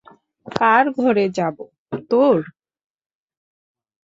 কার ঘরে যাব, তোর?